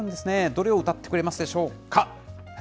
どの曲を歌ってくれるでしょうか。